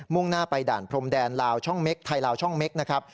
มุ่งหน้าไปด่านพรมแดนไทยลาวช่องเม็กซ์นะครับ